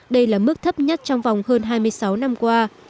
đây là mức thấp nhất trong vòng hơn hai mươi sáu năm qua